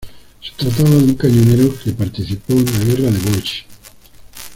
Se trataba de un cañonero que participó en la Guerra Boshin.